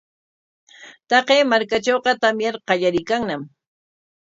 Taqay markatrawqa tamyar qallariykanñam.